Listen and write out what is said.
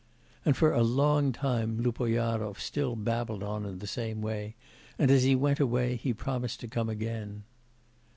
And for a long time Lupoyarov still babbled on in the same way, and, as he went away, he promised to come again.